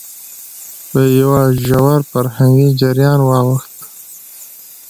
په يوه ژور فرهنګي جريان واوښت،